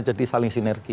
jadi saling sinergi